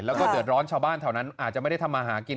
แล้วก็เดือดร้อนชาวบ้านแถวนั้นอาจจะไม่ได้ทำมาหากิน